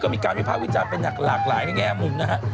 ก็มีการวิภาพวิจารณ์เป็นหลากหลายมุมนะฮะ